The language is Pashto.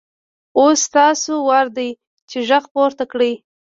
اوس ستاسو وار دی چې غږ پورته کړئ.